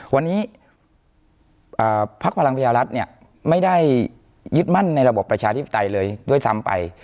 วันนี้พรรคพลังพญารัฐไม่ได้ยึดมั่นในระบบประชาทิศไตเลยด้วยซ้ำไป